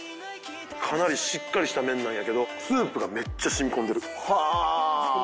かなりしっかりした麺なんやけどスープがめっちゃ染み込んでる。